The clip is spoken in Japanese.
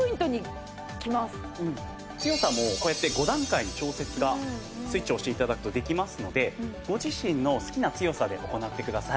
強さもこうやって５段階に調節がスイッチを押して頂くとできますのでご自身の好きな強さで行ってください。